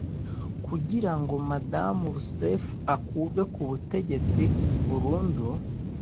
Kugira ngo Madamu Rousseff akurwe ku butegetsi burundu